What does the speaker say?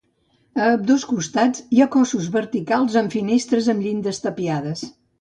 A ambdós costats hi ha cossos verticals amb finestres amb llindes tapiades.